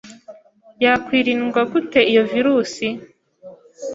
Yakwirindwa gute iyo virus